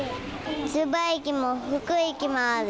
敦賀駅も福井駅もある。